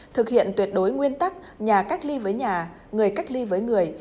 thực hiện tuyệt đối nguyên tắc nhà cách ly với nhà người cách ly với người